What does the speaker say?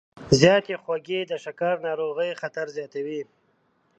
زیاتې خوږې د شکرې ناروغۍ خطر زیاتوي.